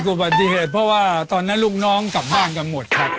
อุบัติเหตุเพราะว่าตอนนั้นลูกน้องกลับบ้านกันหมดครับ